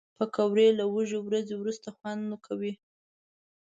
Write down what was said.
پکورې له وږې ورځې وروسته خوند کوي